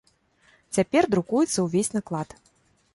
Цяпер друкуецца ўвесь наклад.